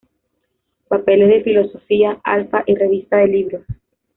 Papeles de Filosofía", "Alfa" y "Revista de libros".